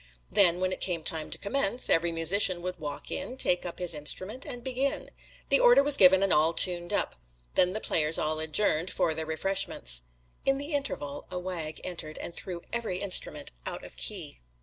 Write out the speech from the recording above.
Then when it came time to commence, every musician would walk in, take up his instrument, and begin. The order was given, and all tuned up. Then the players all adjourned for their refreshments. "In the interval a wag entered and threw every instrument out of key.